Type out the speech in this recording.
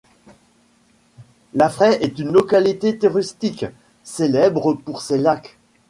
Laffrey est une localité touristique, célèbre pour ses lacs.